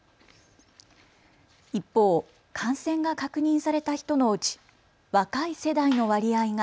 一方、感染が確認された人のうち若い世代の割合が